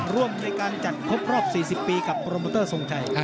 ร่วมในการจัดครบรอบ๔๐ปีกับโปรโมเตอร์ทรงชัย